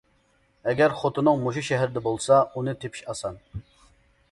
ئەگەر خوتۇنۇڭ مۇشۇ شەھەردە بولسا، ئۇنى تېپىش ئاسان.